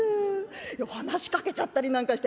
いや話しかけちゃったりなんかして。